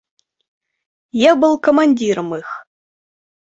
Я был командиром их.